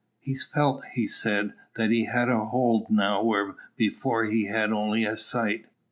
He felt, he said, that he had a hold now where before he had only a sight.